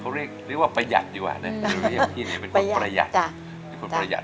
เขาเรียกเรียกว่าประหยัดดีกว่าเนอะเป็นคนประหยัดเป็นคนประหยัด